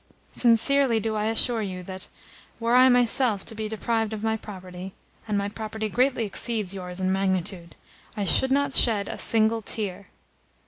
Sincerely do I assure you that, were I myself to be deprived of my property (and my property greatly exceeds yours in magnitude), I should not shed a single tear.